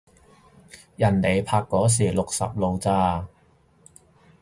人哋拍嗰時六十路咋